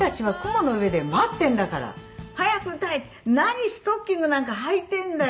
「何ストッキングなんかはいてんだよ